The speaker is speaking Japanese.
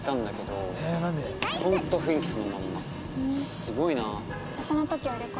すごいな。